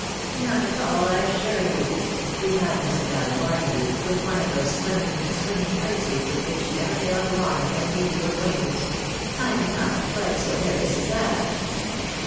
" Not at all, sir, I assure you," replied Mrs. Allen Barnaby, with one of those swimming, swinging courtesies with which she never failed to honour every new acquaintance ;" I am not quite so nervous as that."